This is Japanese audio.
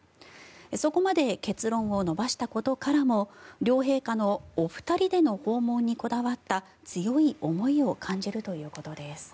そこまで結論を延ばしたことからも両陛下のお二人での訪問にこだわった強い思いを感じるということです。